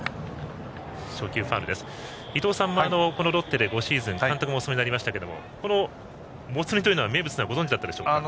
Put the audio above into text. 伊東さんはロッテで５シーズン監督もお務めになりましたがこの、もつ煮という名物はご存じでしたでしょうか？